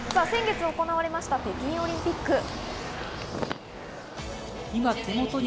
先月行われました北京オリンピック。